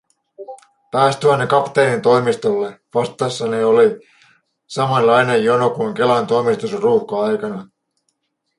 Päästyäni kapteenin toimistolle, vastassani oli samanlainen jono kuin Kelan toimistossa ruuhka-aikana.